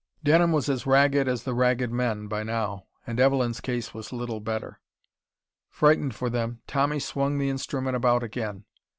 Denham was as ragged as the Ragged Men, by now, and Evelyn's case was little better. Frightened for them, Tommy swung the instrument about again.